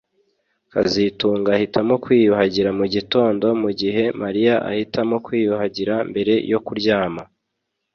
kazitunga ahitamo kwiyuhagira mugitondo mugihe Mariya ahitamo kwiyuhagira mbere yo kuryama